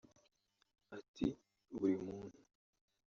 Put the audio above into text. Ati “Buri muntu